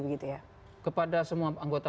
begitu ya kepada semua anggota